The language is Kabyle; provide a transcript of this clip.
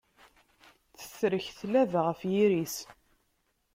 Tetrek tlaba ɣef yiri-s.